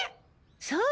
そう。